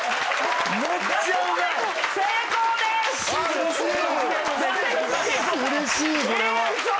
うれしい。